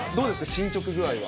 進捗具合は。